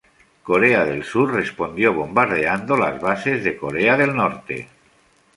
Corea del Sur respondió bombardeando las bases de Corea del Norte.